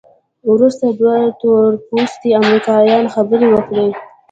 وروسته دوه تورپوستي امریکایان خبرې وکړې.